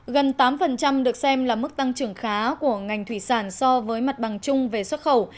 gần tám được xem là mức tăng trưởng khá của ngành thủy sản so với mặt bằng chung về xuất khẩu